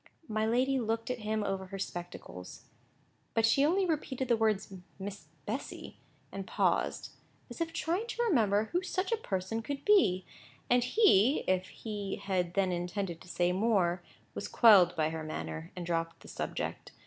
My lady looked at him over her spectacles: but she only repeated the words "Miss Bessy," and paused, as if trying to remember who such a person could be; and he, if he had then intended to say more, was quelled by her manner, and dropped the subject.